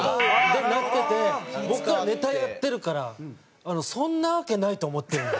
僕らネタやってるからそんなわけないと思ってるんで。